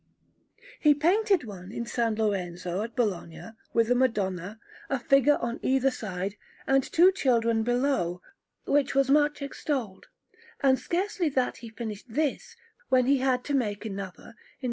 He painted one in S. Lorenzo at Bologna, with a Madonna, a figure on either side, and two children below, which was much extolled; and scarcely had he finished this when he had to make another in S.